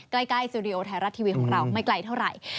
ใกล้สตูดิโอไทยรัฐทีวีของเราไม่ไกลเท่าไหร่